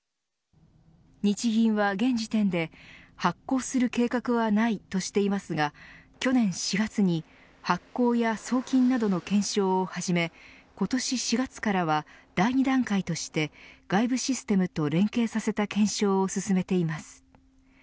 日銀は現時点で発行する計画はないとしていますが去年４月に発行や送金などの検証を始め今年４月からは、第２段階として外部システムと連携させた検証を進めています。